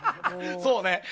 そうね。